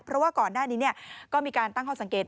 เพราะว่าก่อนหน้านี้ก็มีการตั้งข้อสังเกต